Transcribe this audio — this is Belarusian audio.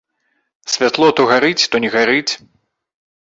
Святло то гарыць, то не гарыць.